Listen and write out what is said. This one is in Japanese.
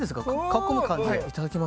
かっこむ感じでいただきます。